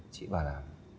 chị bảo là